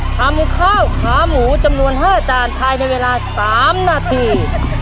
ทำข้าวขาหมูจำนวน๕จานภายในเวลา๓นาที